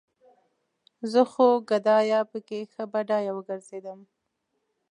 زه خو ګدايه پکې ښه بډايه وګرځېدم